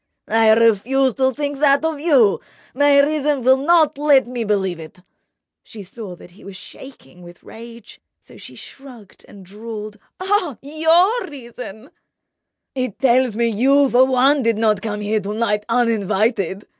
"I refuse to think that of you. My reason will not let me believe it." She saw that he was shaking with rage; so she shrugged and drawled: "Oh, your reason—!" "It tells me you for one did not come here to night uninvited."